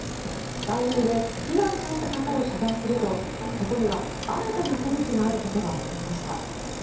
番組で被害に遭った方を取材するとそこには新たな手口があることがわかりました。